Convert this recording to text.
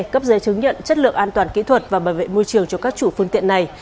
cấp giấy chứng nhận chất lượng an toàn kỹ thuật và bảo vệ môi trường cho các chủ phương tiện này